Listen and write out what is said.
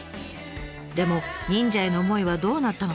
でも忍者への思いはどうなったのか？